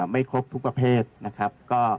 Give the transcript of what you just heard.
ไม่ครบทุกประเภทนะครับ